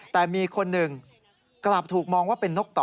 แต่มีคนหนึ่งกลับถูกมองว่าเป็นนกต่อ